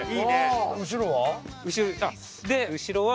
で後ろは。